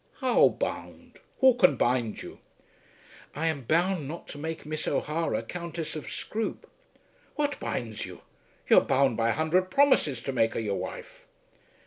"How bound? Who can bind you?" "I am bound not to make Miss O'Hara Countess of Scroope." "What binds you? You are bound by a hundred promises to make her your wife."